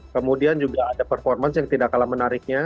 kemudian juga ada performance yang tidak kalah menariknya